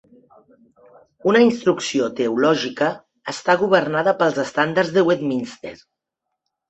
Una instrucció teològica està governada pels estàndards de Westminster.